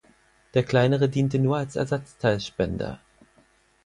Der kleinere diente nur als Ersatzteilspender.